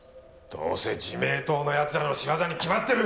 どうせ自明党の奴らの仕業に決まってる！